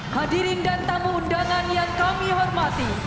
hadirin dan tamu undangan yang kami hormati